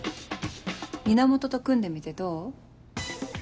源と組んでみてどう？